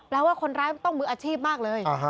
ว่าคนร้ายมันต้องมืออาชีพมากเลย